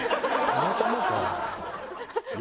たまたまか。